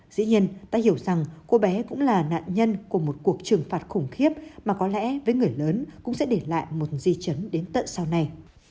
dĩ nhiên ta hiểu rằng cô bé cũng là nạn nhân của một cuộc trừng phạt khủng khiếp mà có lẽ với người lớn cũng sẽ để lại một di chứng đến tận sau này